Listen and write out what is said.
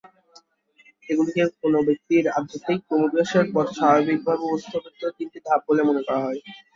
এগুলিকে কোন ব্যক্তির আধ্যাত্মিক ক্রমবিকাশের পথে স্বভাবিকভাবে উপস্থিত তিনটি ধাপ বলিয়া মনে করা হয়।